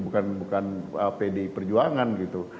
bukan pdi perjuangan gitu